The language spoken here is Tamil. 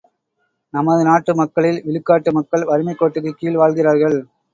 நமது நாட்டு மக்களில் விழுக்காட்டு மக்கள் வறுமைக்கோட்டுக்குக் கீழ் வாழ்கிறார்கள்.